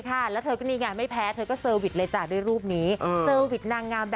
อ่าแน่นอน